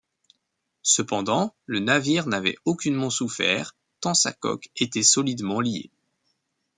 Cependant, Le navire n’avait aucunement souffert, tant sa coque était solidement liée.